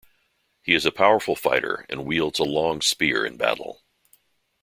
He is a powerful fighter and wields a long spear in battle.